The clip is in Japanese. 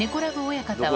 親方は。